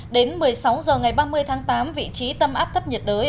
đến một mươi sáu h ngày ba mươi tháng tám vị trí tâm áp thấp nhiệt đới